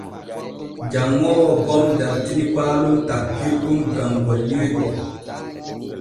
Janŋoowo gom dartini paalon takkirɗum gam gollirgo.